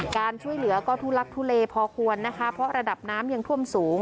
การช่วยเหลือก็ทุลักทุเลพอควรนะคะเพราะระดับน้ำยังท่วมสูง